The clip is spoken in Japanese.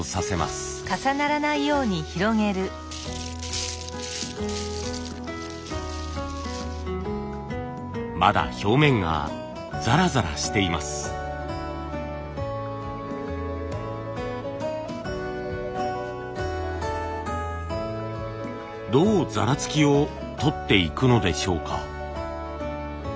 どうザラつきをとっていくのでしょうか？